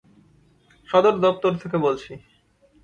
সদর দপ্তর থেকে বলছি।